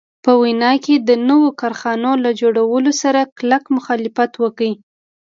په ویانا کې د نویو کارخانو له جوړولو سره کلک مخالفت وکړ.